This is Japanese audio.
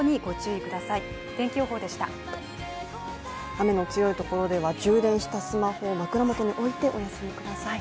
雨の強いところでは充電したスマホを枕元に置いてお休みください。